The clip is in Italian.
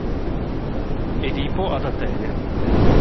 Edipo ad Atene